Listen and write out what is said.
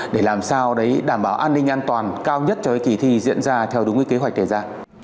để làm sao để đảm bảo an ninh an toàn cao nhất cho kỳ thi diễn ra theo đúng kế hoạch đề ra